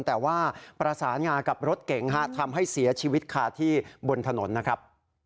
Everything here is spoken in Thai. แต่ว่าประสานงากับรถเก๋งทำให้เสียชีวิตคาที่บนถนนนะครับ